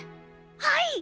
はい！